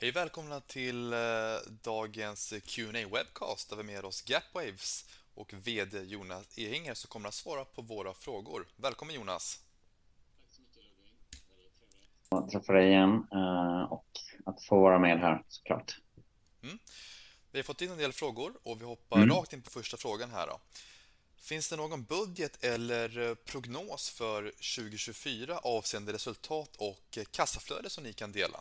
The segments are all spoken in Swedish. Hej! Välkomna till dagens Q&A Webcast, där vi har med oss Gapwaves och VD Jonas Ehringer, som kommer att svara på våra frågor. Välkommen Jonas. Tack så mycket Robin. Trevligt att träffa dig igen och att få vara med här så klart. Vi har fått in en del frågor och vi hoppar rakt in på första frågan här då. Finns det någon budget eller prognos för 2024 avseende resultat och kassaflöde som ni kan dela?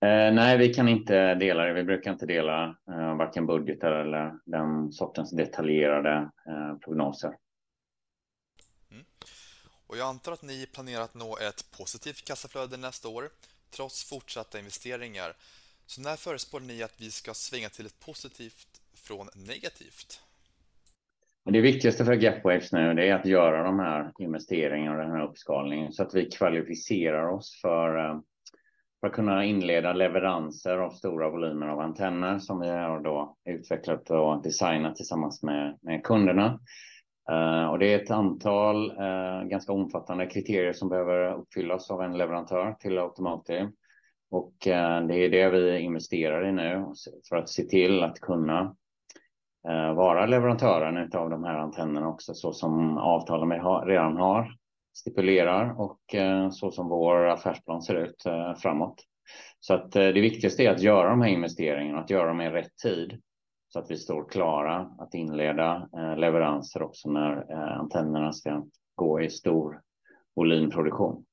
Nej, vi kan inte dela det. Vi brukar inte dela varken budgetar eller den sortens detaljerade prognoser. Mm. Och jag antar att ni planerar att nå ett positivt kassaflöde nästa år, trots fortsatta investeringar. Så när föreslår ni att vi ska svänga till ett positivt från negativt? Det viktigaste för Gapwaves nu, det är att göra de här investeringarna och den här uppskalningen så att vi kvalificerar oss för att kunna inleda leveranser av stora volymer av antenner som vi har utvecklat och designat tillsammans med kunderna. Och det är ett antal ganska omfattande kriterier som behöver uppfyllas av en leverantör till Automati. Och det är det vi investerar i nu för att se till att kunna vara leverantören av de här antennerna också, så som avtalen vi redan har stipulerar och så som vår affärsplan ser ut framåt. Så att det viktigaste är att göra de här investeringarna, att göra dem i rätt tid, så att vi står klara att inleda leveranser också när antennerna ska gå i stor volymproduktion.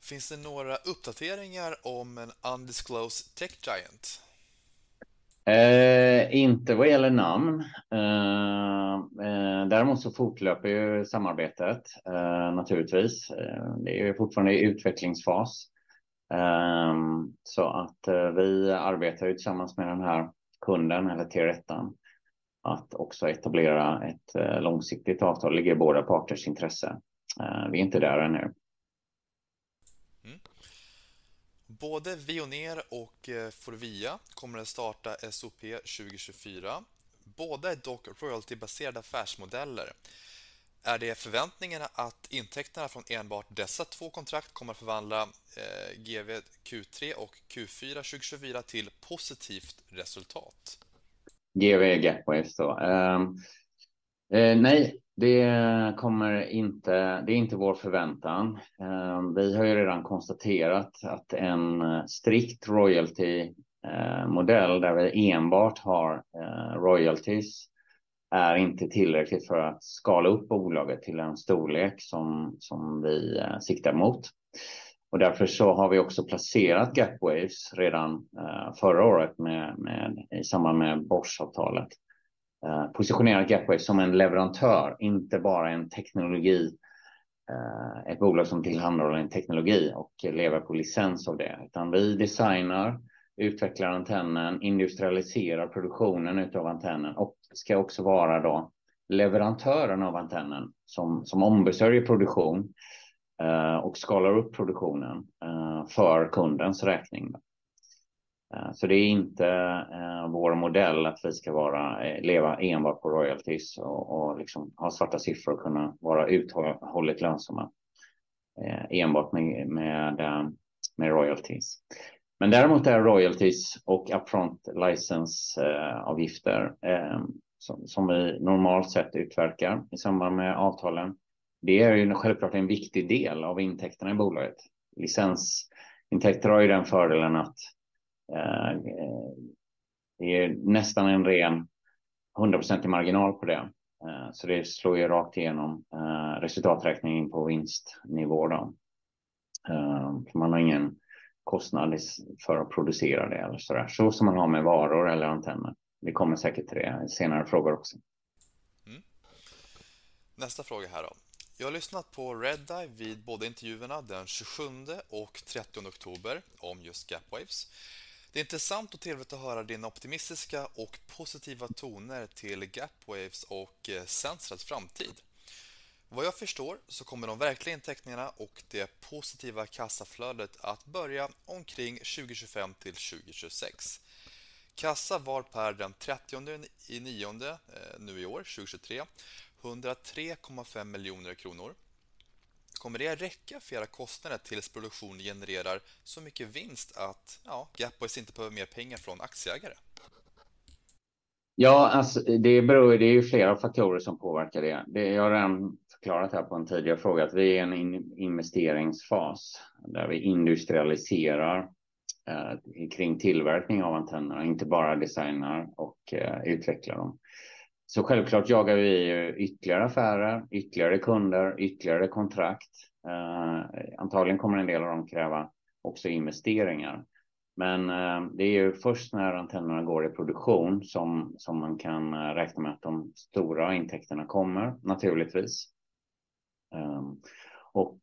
Finns det några uppdateringar om en undisclosed tech giant? Inte vad gäller namn. Däremot så fortlöper ju samarbetet, naturligtvis. Det är ju fortfarande i utvecklingsfas. Så att vi arbetar ju tillsammans med den här kunden eller tier ettan att också etablera ett långsiktigt avtal. Ligger i båda parters intresse. Vi är inte där ännu. Mm. Både Vioneer och Forvia kommer att starta SOP 2024. Båda är dock royalty-baserade affärsmodeller. Är det förväntningarna att intäkterna från enbart dessa två kontrakt kommer att förvandla GW Q3 och Q4 2024 till positivt resultat? GW, Gapwaves då. Nej, det kommer inte, det är inte vår förväntan. Vi har ju redan konstaterat att en strikt royalty-modell, där vi enbart har royalties, är inte tillräckligt för att skala upp bolaget till en storlek som vi siktar mot. Därför så har vi också placerat Gapwaves redan förra året med, i samband med Bosch-avtalet. Positionerat Gapwaves som en leverantör, inte bara en teknologi, ett bolag som tillhandahåller en teknologi och lever på licens av det, utan vi designar, utvecklar antennen, industrialiserar produktionen utav antennen och ska också vara då leverantören av antennen som ombesörjer produktion och skalar upp produktionen för kundens räkning. Så det är inte vår modell att vi ska vara, leva enbart på royalties och liksom ha svarta siffror och kunna vara uthålligt lönsamma, enbart med royalties. Men däremot är royalties och upfront license-avgifter, som vi normalt sett utverkar i samband med avtalen. Det är ju självklart en viktig del av intäkterna i bolaget. Licensintäkter har ju den fördelen att det är nästan en ren 100% marginal på det. Så det slår ju rakt igenom resultaträkningen på vinstnivå då. För man har ingen kostnad för att producera det eller sådär. Så som man har med varor eller antenner. Vi kommer säkert till det i senare frågor också. Mm. Nästa fråga här då. Jag har lyssnat på Redeye vid både intervjuerna den 27:e och 30:e oktober om just Gapwaves. Det är intressant och trevligt att höra dina optimistiska och positiva toner till Gapwaves och Sensireds framtid. Vad jag förstår så kommer de verkliga intäkterna och det positiva kassaflödet att börja omkring 2025 till 2026. Kassa var per den 30:e i nionde, nu i år, 2023, 103,5 miljoner kronor. Kommer det att räcka för era kostnader tills produktionen genererar så mycket vinst att, ja, Gapwaves inte behöver mer pengar från aktieägare? Ja, alltså, det beror, det är ju flera faktorer som påverkar det. Jag har redan förklarat det här på en tidigare fråga, att vi är i en investeringsfas där vi industrialiserar kring tillverkning av antennerna, inte bara designar och utvecklar dem. Så självklart jagar vi ytterligare affärer, ytterligare kunder, ytterligare kontrakt. Antagligen kommer en del av dem kräva också investeringar, men det är ju först när antennerna går i produktion som man kan räkna med att de stora intäkterna kommer, naturligtvis. Och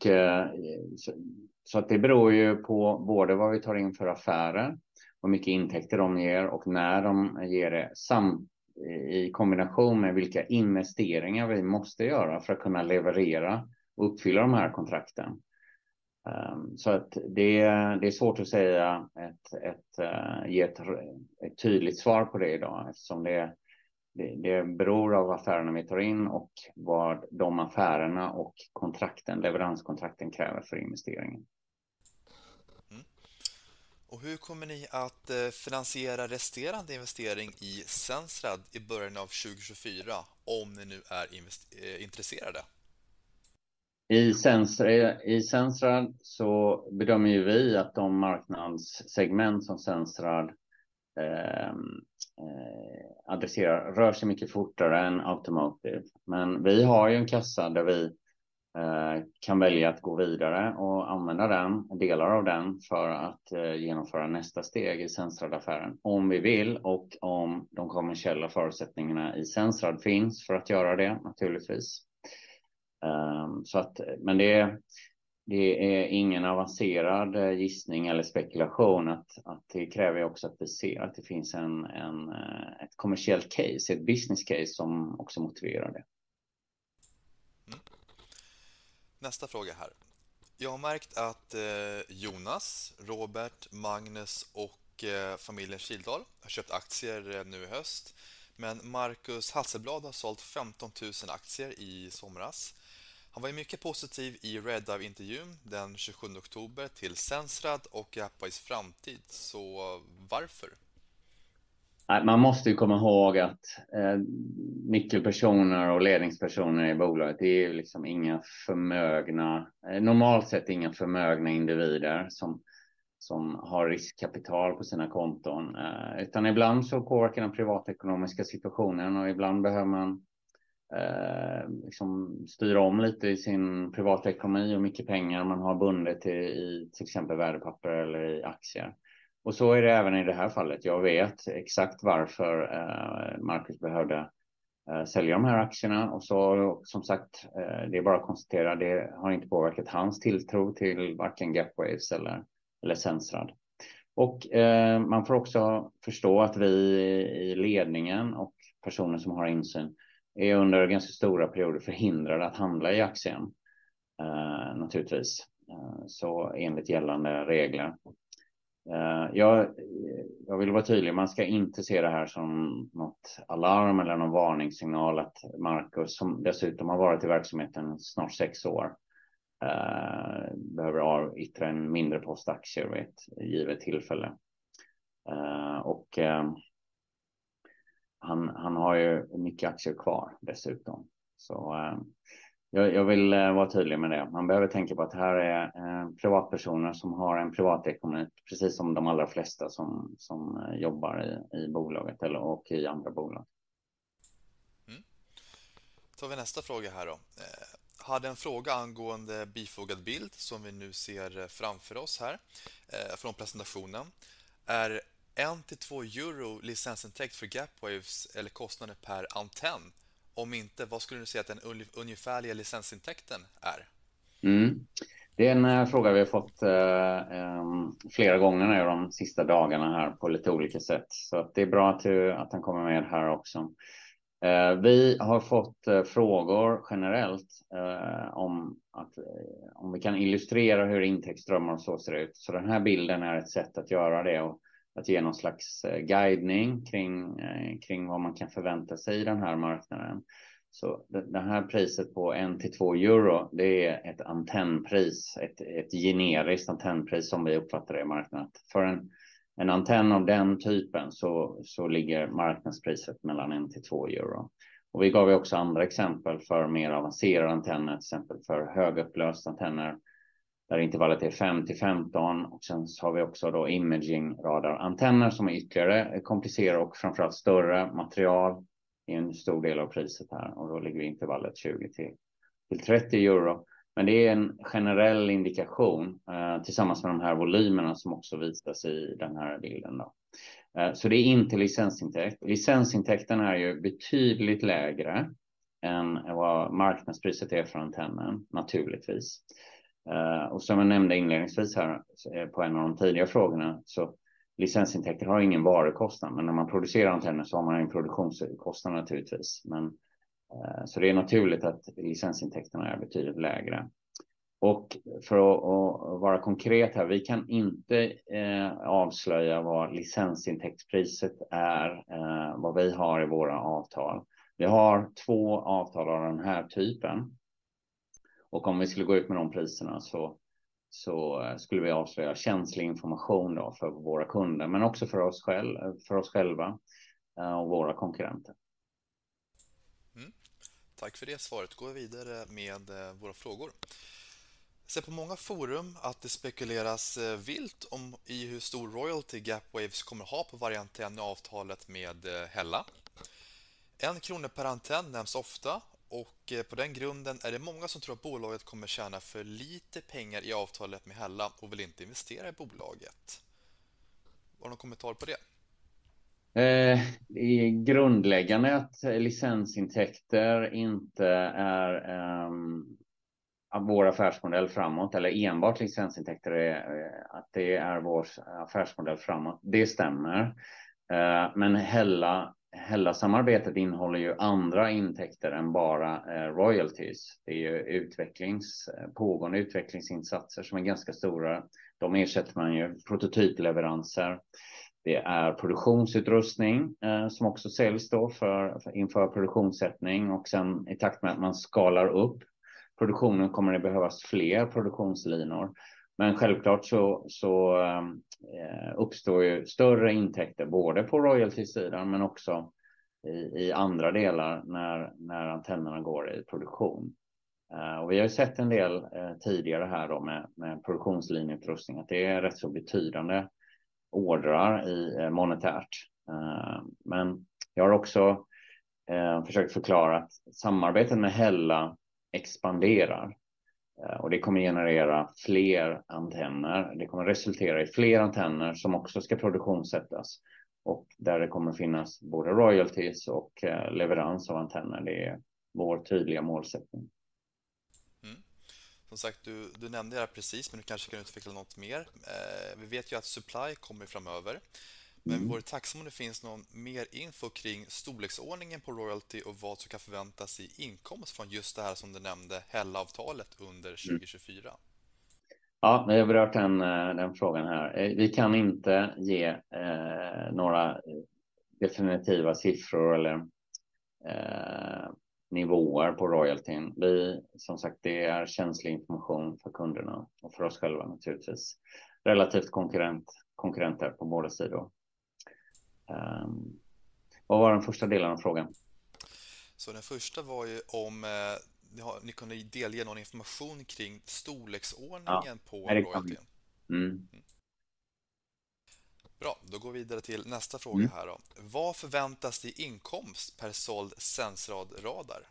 så att det beror ju på både vad vi tar in för affärer, hur mycket intäkter de ger och när de ger det, samt i kombination med vilka investeringar vi måste göra för att kunna leverera och uppfylla de här kontrakten. Så att det är svårt att säga, ge ett tydligt svar på det idag, eftersom det beror av affärerna vi tar in och vad de affärerna och kontrakten, leveranskontrakten kräver för investeringen. Och hur kommer ni att finansiera resterande investering i Sensrad i början av 2024, om ni nu är intresserade? I Sens, i Sensrad så bedömer ju vi att de marknadssegment som Sensrad adresserar, rör sig mycket fortare än Automotive. Men vi har ju en kassa där vi kan välja att gå vidare och använda den, delar av den, för att genomföra nästa steg i Sensrad-affären. Om vi vill och om de kommersiella förutsättningarna i Sensrad finns för att göra det, naturligtvis. Men det, det är ingen avancerad gissning eller spekulation att det kräver också att vi ser att det finns ett kommersiellt case, ett business case som också motiverar det. Nästa fråga här. Jag har märkt att Jonas, Robert, Magnus och familjen Kildal har köpt aktier nu i höst, men Marcus Hasselblad har sålt 15,000 aktier i somras. Han var ju mycket positiv i Redeye-intervjun den 27 oktober till Sensrad och Gapwaves framtid. Så varför? Man måste ju komma ihåg att nyckelpersoner och ledningspersoner i bolaget, det är liksom inga förmögna, normalt sett inga förmögna individer som har riskkapital på sina konton. Utan ibland så påverkar den privatekonomiska situationen och ibland behöver man styra om lite i sin privatekonomi och mycket pengar. Man har bundet i till exempel värdepapper eller i aktier. Och så är det även i det här fallet. Jag vet exakt varför Marcus behövde sälja de här aktierna. Och så som sagt, det är bara att konstatera, det har inte påverkat hans tilltro till varken Gapwaves eller Sensrad. Och man får också förstå att vi i ledningen och personer som har insyn är under ganska stora perioder förhindrade att handla i aktien, naturligtvis. Så enligt gällande regler. Jag vill vara tydlig, man ska inte se det här som något alarm eller någon varningssignal att Marcus, som dessutom har varit i verksamheten i snart sex år, behöver ha ytterligare en mindre post aktier vid ett givet tillfälle. Och han har ju mycket aktier kvar dessutom. Så jag vill vara tydlig med det. Man behöver tänka på att det här är privatpersoner som har en privatekonomi, precis som de allra flesta som jobbar i bolaget eller i andra bolag. Mm. Tar vi nästa fråga här då. Hade en fråga angående bifogad bild som vi nu ser framför oss här, från presentationen. Är en till två euro licensintäkt för Gapwaves eller kostnaden per antenn? Om inte, vad skulle du säga att den ungefärliga licensintäkten är? Det är en fråga vi har fått flera gånger nu de sista dagarna här på lite olika sätt. Så det är bra att den kommer med här också. Vi har fått frågor generellt om att, om vi kan illustrera hur intäktsströmmar och så ser ut. Så den här bilden är ett sätt att göra det och att ge någon slags guidning kring, kring vad man kan förvänta sig i den här marknaden. Så det här priset på €1 till €2, det är ett antennpris, ett generiskt antennpris som vi uppfattar det i marknaden. För en antenn av den typen så, så ligger marknadspriset mellan €1 till €2. Och vi gav ju också andra exempel för mer avancerade antenner, till exempel för högupplösta antenner, där intervallet är €5 till €15. Och sen har vi också då imaging radarantenner som är ytterligare komplicerade och framför allt större material. Det är en stor del av priset här och då ligger intervallet tjugo till trettio euro. Men det är en generell indikation tillsammans med de här volymerna som också visas i den här bilden då. Det är inte licensintäkt. Licensintäkterna är ju betydligt lägre än vad marknadspriset är för antennen, naturligtvis. Som jag nämnde inledningsvis här på en av de tidiga frågorna, licensintäkter har ingen varukostnad, men när man producerar antenner så har man en produktionskostnad naturligtvis. Det är naturligt att licensintäkterna är betydligt lägre. För att vara konkret här, vi kan inte avslöja vad licensintäktpriset är, vad vi har i våra avtal. Vi har två avtal av den här typen och om vi skulle gå ut med de priserna så skulle vi avslöja känslig information för våra kunder, men också för oss själva och våra konkurrenter. Mm. Tack för det svaret. Går vi vidare med våra frågor. Jag ser på många forum att det spekuleras vilt om hur stor royalty Gapwaves kommer att ha på varje antenn i avtalet med Hella. En krona per antenn nämns ofta och på den grunden är det många som tror att bolaget kommer att tjäna för lite pengar i avtalet med Hella och vill inte investera i bolaget. Har du någon kommentar på det? Det är grundläggande att licensintäkter inte är vår affärsmodell framåt, eller enbart licensintäkter, att det är vår affärsmodell framåt. Det stämmer, men Hella, Hella-samarbetet innehåller ju andra intäkter än bara royalties. Det är ju utvecklings, pågående utvecklingsinsatser som är ganska stora. De ersätter man ju prototypleveranser. Det är produktionsutrustning som också säljs då för inför produktionssättning och sedan i takt med att man skalar upp produktionen, kommer det behövas fler produktionslinor. Men självklart så uppstår ju större intäkter, både på royalty-sidan men också i andra delar när antennerna går i produktion. Vi har sett en del tidigare här då med produktionslinjeutrustning, att det är rätt så betydande ordrar i monetärt. Men jag har också försökt förklara att samarbeten med Hella expanderar och det kommer generera fler antenner. Det kommer att resultera i fler antenner som också ska produktionssättas och där det kommer att finnas både royalties och leverans av antenner. Det är vår tydliga målsättning. Mm. Som sagt, du nämnde det här precis, men du kanske kan utveckla något mer. Vi vet ju att supply kommer framöver, men vi vore tacksamma om det finns någon mer info kring storleksordningen på royalty och vad som kan förväntas i inkomst från just det här, som du nämnde, Hella-avtalet under 2024. Ja, vi har berört den frågan här. Vi kan inte ge några definitiva siffror eller nivåer på royaltyn. Vi, som sagt, det är känslig information för kunderna och för oss själva, naturligtvis. Relativt konkurrenter på båda sidor. Vad var den första delen av frågan? Så den första var ju om ni kunde delge någon information kring storleksordningen på royaltyn. Ja, exakt. Bra, då går vi vidare till nästa fråga här då: Vad förväntas det inkomst per såld Sensrad-radar?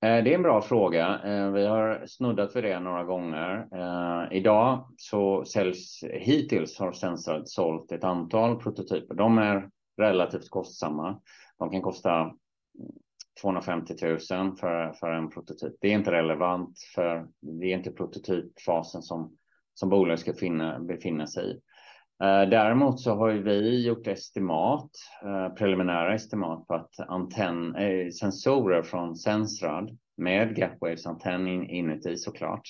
Det är en bra fråga. Vi har snuddat vid det några gånger. Idag så säljs, hittills har Sensrad sålt ett antal prototyper. De är relativt kostsamma. De kan kosta 250 000 kronor för en prototyp. Det är inte relevant, för det är inte prototypfasen som bolaget ska befinna sig i. Däremot så har vi gjort estimat, preliminära estimat på att antennsensorer från Sensrad med Gapwaves antenn inuti så klart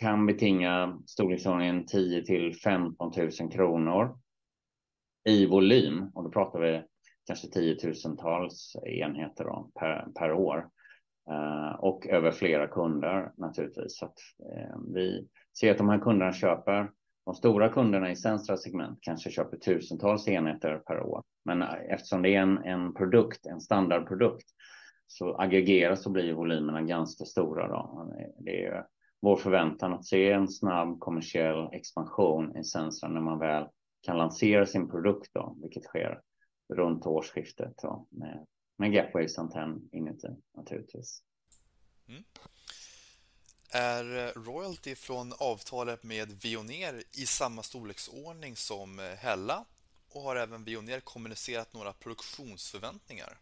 kan betinga storleksordningen 10 000 till 15 000 kronor i volym, och då pratar vi kanske tiotusentals enheter per år och över flera kunder, naturligtvis. Så att vi ser att de här kunderna köper, de stora kunderna i Sensrads segment, kanske köper tusentals enheter per år. Men eftersom det är en produkt, en standardprodukt, så aggregeras och blir volymerna ganska stora. Det är vår förväntan att se en snabb kommersiell expansion i Sensrad när man väl kan lansera sin produkt, vilket sker runt årsskiftet med Gapwaves antenn inuti, naturligtvis. Mm. Är royalty från avtalet med Veoneer i samma storleksordning som Hella? Och har även Veoneer kommunicerat några produktionsförväntningar?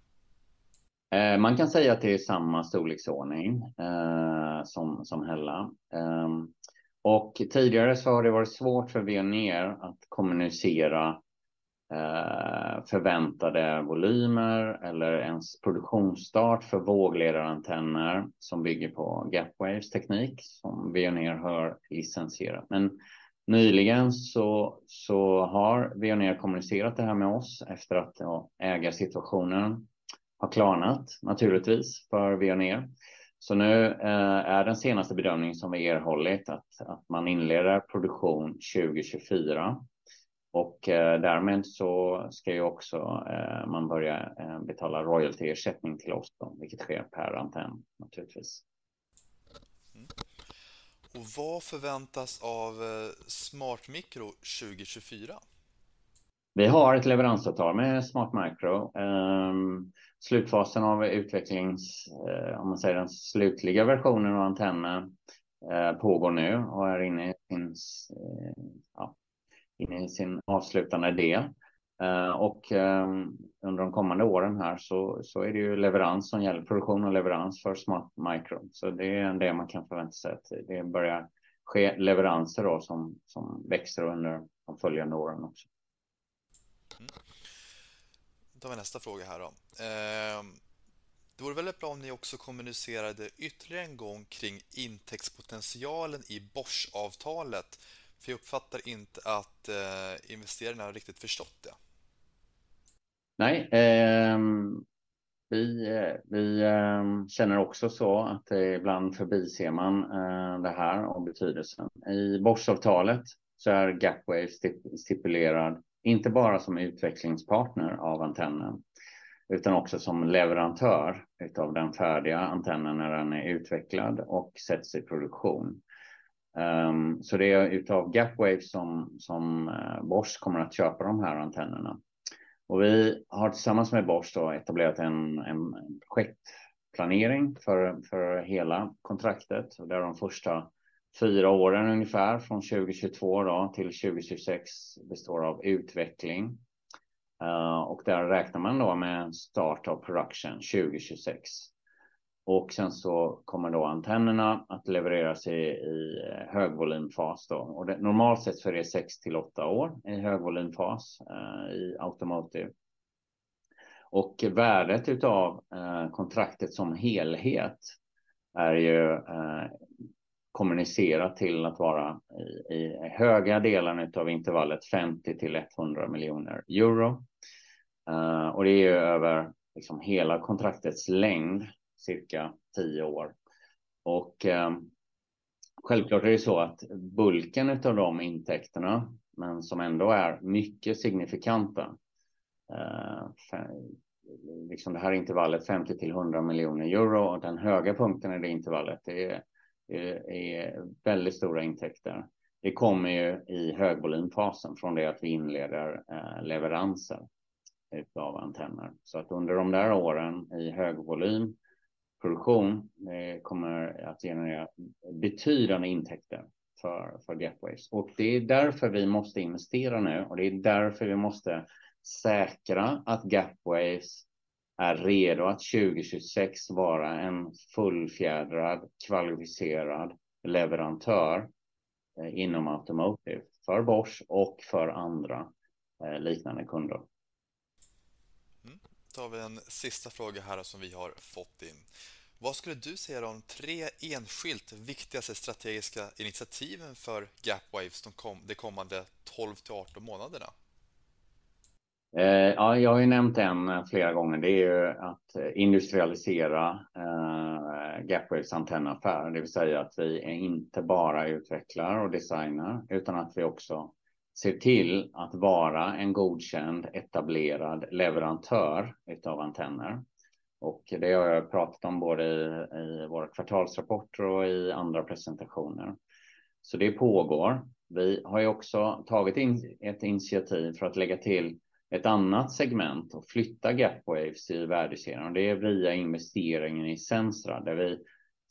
Man kan säga att det är samma storleksordning som Hella. Tidigare så har det varit svårt för Veoneer att kommunicera förväntade volymer eller ens produktionsstart för vågledarantenner som bygger på Gapwaves teknik, som Veoneer har licensierat. Men nyligen så har Veoneer kommunicerat det här med oss efter att ägarsituationen har klarnat, naturligtvis, för Veoneer. Så nu är den senaste bedömningen som vi erhållit att man inleder produktion 2024 och därmed så ska man också börja betala royalty-ersättning till oss, vilket sker per antenn, naturligtvis. Och vad förväntas av Smart Micro 2024? Vi har ett leveransavtal med Smart Micro. Slutfasen av utvecklingen, den slutliga versionen av antennen pågår nu och är inne i sin avslutande del. Under de kommande åren här så är det leverans som gäller, produktion och leverans för Smart Micro. Det är något man kan förvänta sig att det börjar ske leveranser som växer under de följande åren också. Då tar vi nästa fråga här då. Det vore väl bra om ni också kommunicerade ytterligare en gång kring intäktspotentialen i Bosch-avtalet, för jag uppfattar inte att investerarna har riktigt förstått det. Nej, vi känner också så att det ibland förbiser man det här och betydelsen. I Bosch-avtalet så är Gapwave stipulerad inte bara som utvecklingspartner av antennen, utan också som leverantör av den färdiga antennen när den är utvecklad och sätts i produktion. Så det är av Gapwave som Bosch kommer att köpa de här antennerna. Och vi har tillsammans med Bosch då etablerat en projektplanering för hela kontraktet. Det är de första fyra åren, ungefär från 2022 till 2026, består av utveckling. Och där räknar man då med en start av produktion 2026. Och sen så kommer då antennerna att levereras i högvolymfas. Och normalt sett så är det sex till åtta år i högvolymfas i automotive. Och värdet av kontraktet som helhet är ju kommunicerat till att vara i höga delar av intervallet €50 till €100 miljoner. Och det är över, liksom, hela kontraktets längd, cirka tio år. Och självklart är det så att bulken av de intäkterna, men som ändå är mycket signifikanta. Det här intervallet, femtio till hundra miljoner euro och den höga punkten i det intervallet, det är väldigt stora intäkter. Det kommer ju i högvolymfasen från det att vi inleder leveranser av antenner. Så att under de där åren i högvolymproduktion, det kommer att generera betydande intäkter för Gap Waves. Och det är därför vi måste investera nu och det är därför vi måste säkra att Gap Waves är redo att 2026 vara en fullfjädrad, kvalificerad leverantör inom automotive för Bosch och för andra liknande kunder. Mm. Då tar vi en sista fråga här som vi har fått in. Vad skulle du säga de tre enskilt viktigaste strategiska initiativen för Gap Waves de kommande tolv till arton månaderna? Ja, jag har ju nämnt det flera gånger. Det är ju att industrialisera Gap Waves antennaffär. Det vill säga att vi inte bara utvecklar och designar, utan att vi också ser till att vara en godkänd, etablerad leverantör av antenner. Och det har jag pratat om både i våra kvartalsrapporter och i andra presentationer. Så det pågår. Vi har också tagit in ett initiativ för att lägga till ett annat segment och flytta Gap Waves i värdekedjan. Det är via investeringen i Sensrad, där vi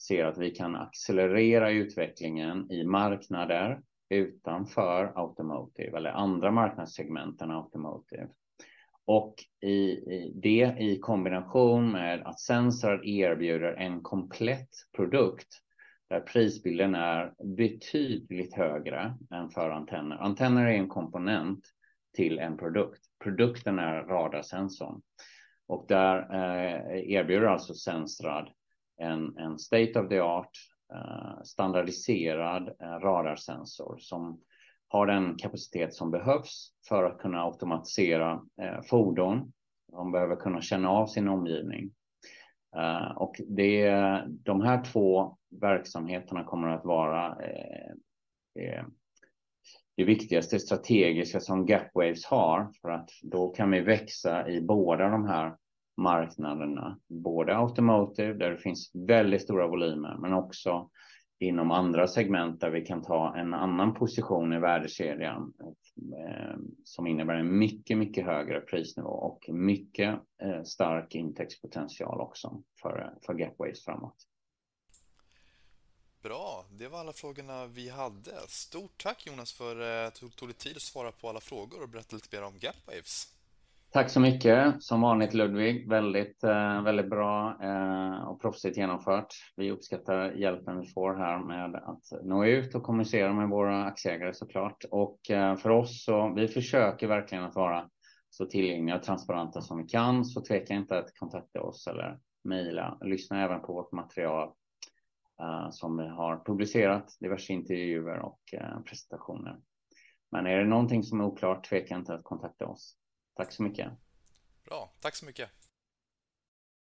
ser att vi kan accelerera utvecklingen i marknader utanför automotive eller andra marknadssegment än automotive. Och i det, i kombination med att Sensrad erbjuder en komplett produkt där prisbilden är betydligt högre än för antenner. Antenner är en komponent till en produkt. Produkten är radarsensorn och där erbjuder alltså Sensrad en state of the art standardiserad radarsensor som har den kapacitet som behövs för att kunna automatisera fordon. Man behöver kunna känna av sin omgivning. De här två verksamheterna kommer att vara det viktigaste strategiska som Gap Waves har, för då kan vi växa i både de här marknaderna, både automotive, där det finns väldigt stora volymer, men också inom andra segment där vi kan ta en annan position i värdekedjan. Som innebär en mycket, mycket högre prisnivå och mycket stark intäktspotential också för Gap Waves framåt. Bra, det var alla frågorna vi hade. Stort tack, Jonas, för att du tog dig tid att svara på alla frågor och berätta lite mer om Gap Waves. Tack så mycket! Som vanligt, Ludwig, väldigt, väldigt bra och professionellt genomfört. Vi uppskattar hjälpen vi får här med att nå ut och kommunicera med våra aktieägare, så klart. Och för oss, så vi försöker verkligen att vara så tillgängliga och transparenta som vi kan. Så tveka inte att kontakta oss eller mejla. Lyssna även på vårt material som vi har publicerat, diverse intervjuer och presentationer. Men är det någonting som är oklart? Tveka inte att kontakta oss. Tack så mycket. Bra, tack så mycket!